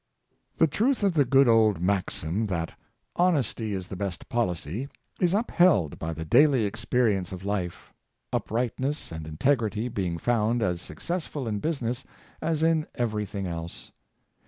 The truth of the good old maxim, that " Honesty is the best policy," is upheld by the daily experience of life, uprightness and integrity being found as successful in business as in every thing else.